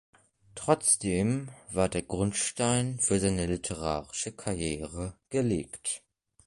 Trotzdem war der Grundstein für seine literarische Karriere gelegt.